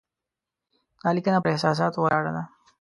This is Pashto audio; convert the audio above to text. دا لیکنه پر احساساتو ولاړه ده.